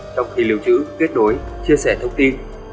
trong khi lưu trữ kết nối chia sẻ thông tin